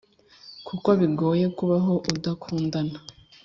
Kuko bigoye kubaho udakunda